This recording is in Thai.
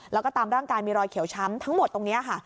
แล้วก็ตามร่างกายมีรอยเขียวช้ำทั้งหมดตรงนี้ค่ะ